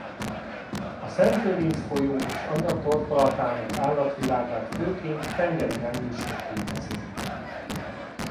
A Szent Lőrinc folyó és annak torkolatának állatvilágát főként tengeri emlősök képezik.